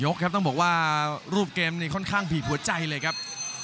ครับต้องบอกว่ารูปเกมนี้ค่อนข้างบีบหัวใจเลยครับ